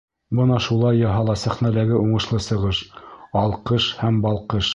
Бына шулай яһала сәхнәләге уңышлы сығыш, алҡыш һәм балҡыш.